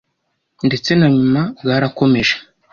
ndetse na nyuma bwarakomeje